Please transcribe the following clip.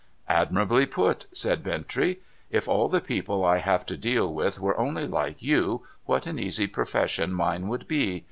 'Admirably put!' said Bintrey. 'If all the people I have to deal with were only like you, what an easy profession mine would be